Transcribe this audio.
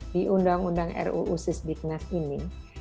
di undang undang ruu sisdiknas ini